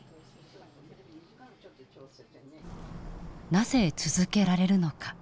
なぜ続けられるのか？